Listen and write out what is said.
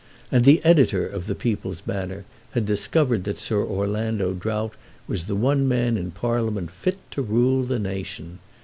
And the Editor of the "People's Banner" had discovered that Sir Orlando Drought was the one man in Parliament fit to rule the nation.